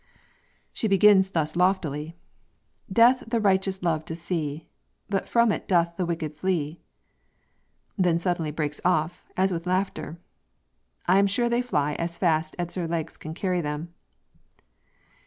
She begins thus loftily, "Death the righteous love to see, But from it doth the wicked flee." Then suddenly breaks off [as if with laughter], "I am sure they fly as fast as their legs can carry them!"